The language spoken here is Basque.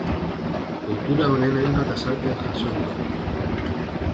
Ohitura honen hainbat azalpen jaso dira.